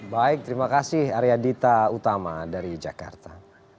baik terima kasih arya dita utama dari jakarta